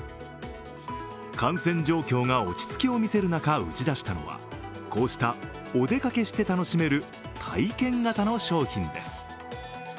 感染状況が落ち着きを見せる中打ち出したのはこうしたお出かけして楽しめる体験型の商品です。